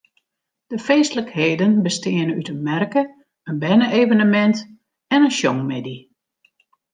De feestlikheden besteane út in merke, in berne-evenemint en in sjongmiddei.